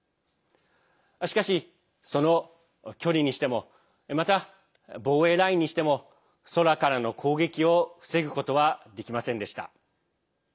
しかし、その距離にしてもまた、防衛ラインにしても空からの攻撃を防ぐことはできませんでした。